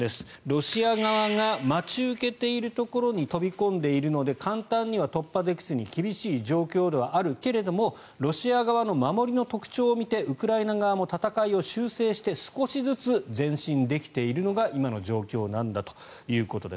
ロシア側が待ち受けているところに飛び込んでいるので簡単には突破できず厳しい状況ではあるけれどもロシア側の守りの特徴を見てウクライナ側も戦いを修正して少しずつ前進できているのが今の状況なんだということです。